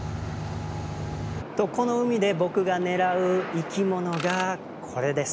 この海で僕が狙う生き物がこれです。